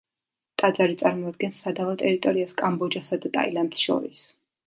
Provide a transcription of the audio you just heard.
ტაძარი წარმოადგენს სადავო ტერიტორიას კამბოჯასა და ტაილანდს შორის.